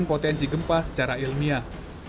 potensi gempa secara ilmiah